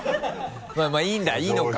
まぁまぁいいんだいいのか？